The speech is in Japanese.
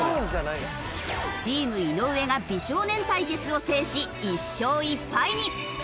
チーム井上が美少年対決を制し１勝１敗に。